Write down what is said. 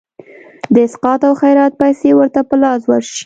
د سقاط او خیرات پیسي ورته په لاس ورشي.